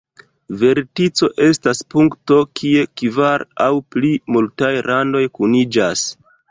Vertico estas punkto kie kvar aŭ pli multaj randoj kuniĝas.